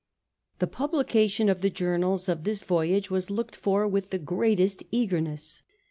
The publication of the journals of this voyage was looked for with the greatest eagerness.